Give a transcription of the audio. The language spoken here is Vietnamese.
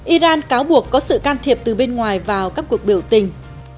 iran cáo buộc có sự can thiệp từ bên ngoài vào các cuộc biểu tình